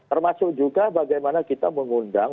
termasuk juga bagaimana kita mengundang